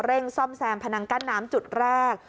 ซ่อมแซมพนังกั้นน้ำจุดแรก